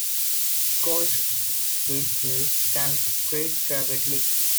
Scotch thistle can spread rapidly.